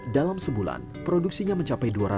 dalam sebulan produksinya mencapai dua ratus